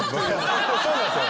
そうなんですよ。